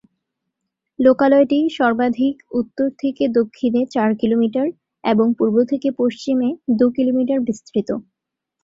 লোকালয়টি সর্বাধিক উত্তর থেকে দক্ষিণে চার কিলোমিটার এবং পূর্ব থেকে পশ্চিমে দু কিলোমিটার বিস্তৃত।